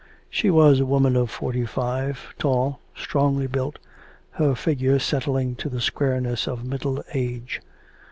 She was a woman of forty five, tall, strongly built, her figure setting to the squareness of middle age.